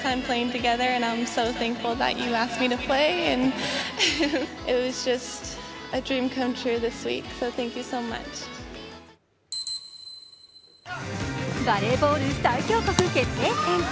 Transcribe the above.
バレーボール最強国決定戦。